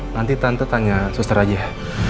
nanti tante tanya suster aja